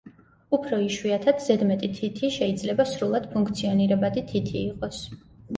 უფრო იშვიათად, ზედმეტი თითი შეიძლება სრულად ფუნქციონირებადი თითი იყოს.